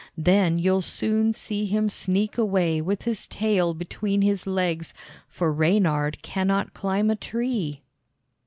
Then you'll soon see him sneak away with his tail between his legs, for Reynard cannot climb a tree."